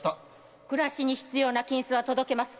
〔暮らしに必要な金子は届けます。